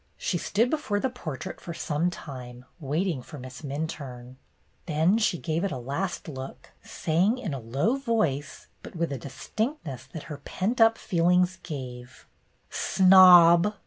She stood before the portrait for some time, waiting for Miss Minturne. Then she gave it a last look, saying in a low voice, but with a distinctness that her pent up feelings gave: "Snob!